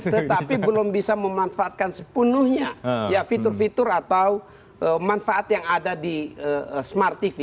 tetapi belum bisa memanfaatkan sepenuhnya fitur fitur atau manfaat yang ada di smart tv